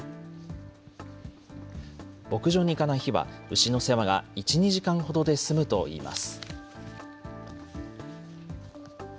牧場に行かない日は、牛の世話が１、２時間ほどで済むといいます。